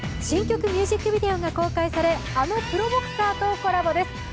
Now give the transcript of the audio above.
新曲ミュージックビデオが公開され、あのプロボクサーとコラボです